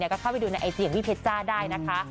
ก็เข้าไปดูในไอจียังวิเพจาได้นะคะ